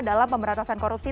dalam pemberantasan korupsi